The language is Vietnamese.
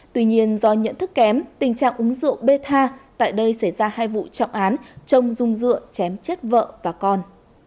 tuy nhiên do nhận thức kém tình trạng uống rượu bê tha tại đây xảy ra hai vụ trọng án trông dung dựa chém chết vợ và con